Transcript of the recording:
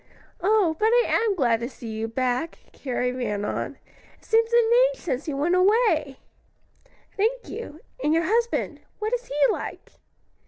"Oh, but I am glad to see you back!" Carrie ran on. "It seems an age since you went away." "Thank you. And your husband? what is he like?"